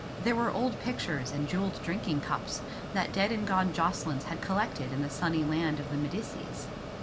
There were old pictures and jewelled drinking cups that dead and gone Jocelyns had collected in the sunny land of the Medicis.